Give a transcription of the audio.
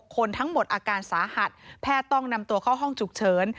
คนทั้งหมดอาการสาหัสแพทย์ต้องนำตัวเข้าห้องฉุกเฉิน